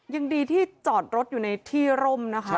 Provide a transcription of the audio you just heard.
ยังดีที่จอดรถอยู่ในที่ร่มนะคะ